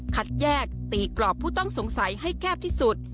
คัดแยกตีกรอบผู้ต้องสงสัยให้แคบที่สุด